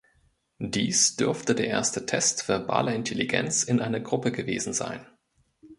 Dies dürfte der erste Test verbaler Intelligenz in einer Gruppe gewesen sein.